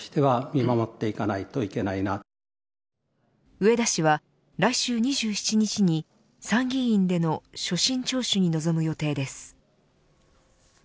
植田氏は来週２７日に参議院での所信聴取に臨む予定です。